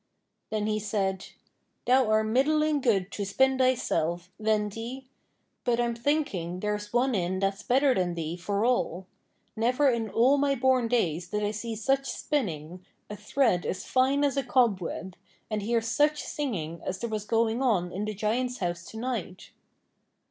Then he said: 'Thou are middling good to spin thyself, ven thie; but I'm thinking there's one in that's better than thee, for all. Never in all my born days did I see such spinning, a thread as fine as a cobweb, and hear such singing as there was going on in the Giant's house to night.'